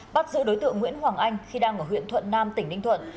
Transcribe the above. bắt giữ đối tượng nguyễn hoàng anh khi đang ở huyện thuận nam tỉnh ninh thuận